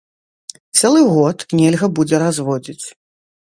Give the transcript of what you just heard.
Цэлы год нельга будзе разводзіць.